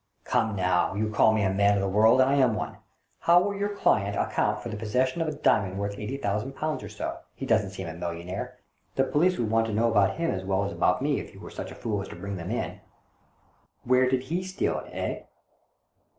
Come now, you call me a man of the world, and I am one. How will your client CASE OF THE " MIRROR OF PORTUGAL " 139 account for the possession of a diamond worth eighty thousand pounds or so ? He doesn't seem a millionaire. The police would want to know about him as well as about me, if you were such a fool as to bring them in. Where did he steal it, eh?"